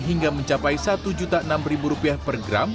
hingga mencapai satu juta enam ribu rupiah per gram